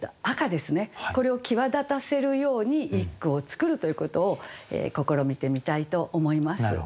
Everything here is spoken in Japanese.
これを際立たせるように一句を作るということを試みてみたいと思います。